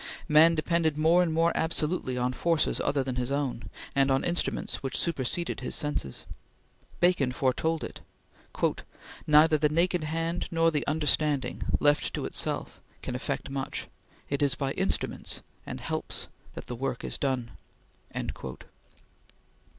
Man depended more and more absolutely on forces other than his own, and on instruments which superseded his senses. Bacon foretold it: "Neither the naked hand nor the understanding, left to itself, can effect much. It is by instruments and helps that the work is done."